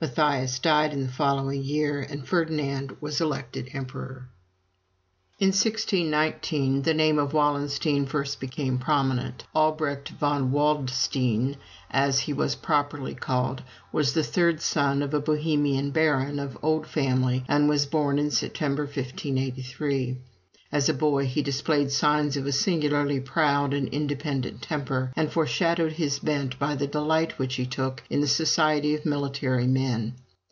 Matthias died in the following year, and Ferdinand was elected emperor. In 1619 the name of Wallenstein first became prominent. Albrecht von Waldstein, as he was properly called, was the third son of a Bohemian baron, of old family, and was born in September, 1583. As a boy, he displayed signs of a singularly proud and independent temper, and foreshowed his bent by the delight which he took in the society of military men.